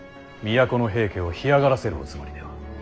都の平家を干上がらせるおつもりでは。